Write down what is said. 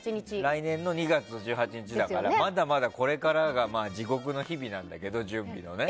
来年の２月１８日だからまだまだこれからが地獄の日々なんだけど、準備のね。